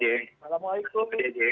assalamualaikum pak jj